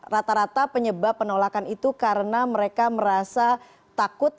rata rata penyebab penolakan itu karena mereka merasa takut